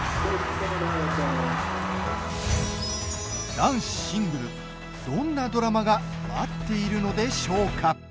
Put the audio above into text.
男子シングル、どんなドラマが待っているのでしょうか。